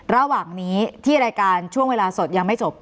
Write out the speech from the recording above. ระหว่างนี้ที่รายการช่วงเวลาสดยังไม่จบ